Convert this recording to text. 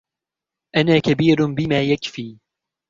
أنا كبير بما يكفي.